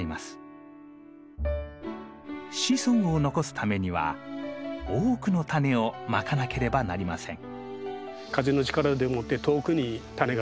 子孫を残すためには多くのタネをまかなければなりません。